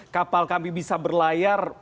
kapal kami bisa berlayar